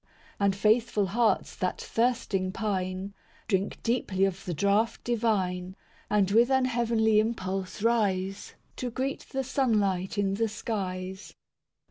IV And faithful hearts that thirsting pine, Drink deeply of the draught divine, And with an heavenly impulse rise, To greet the sunlight in the skies.